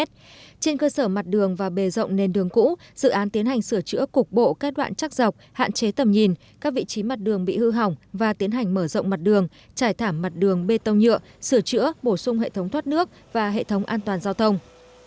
trên cơ sở mặt đường và bề rộng nền đường cũ dự án tiến hành sửa chữa cục bộ các đoạn chắc dọc hạn chế tầm nhìn các vị trí mặt đường bị hư hỏng và tiến hành mở rộng mặt đường trải thảm mặt đường bê tông nhựa sửa chữa bổ sung hệ thống thoát nước và hệ thống an toàn giao thông